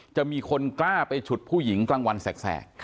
จะมีคนกล้าไปฉุดผู้หญิงกลางวันแสก